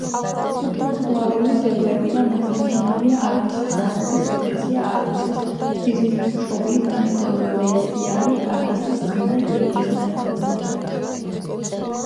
ხუროთმოძღვრული ძეგლებიდან აღსანიშნავია: არდისის სამების ეკლესია, არდისის ღვთისმშობლის ნაეკლესიარი, არდისის წმინდა გიორგის ნაეკლესიარი.